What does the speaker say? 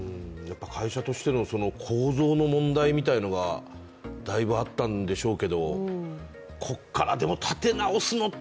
会社としての構造の問題みたいなのがだいぶあったんでしょうけどこっからでも、立て直すのって